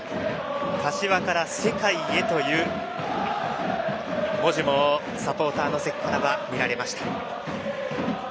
柏から世界へという文字もサポーターの席から見られました。